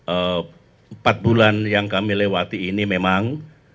empat bulan yang kami lewati ini memang